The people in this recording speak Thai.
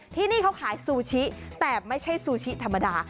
ที่นี่เขาขายซูชิแต่ไม่ใช่ซูชิธรรมดา